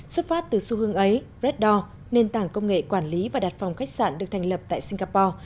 xuất phát từ xu hướng ấy reddor nền tảng công nghệ quản lý và đặt phòng khách sạn được thành lập tại singapore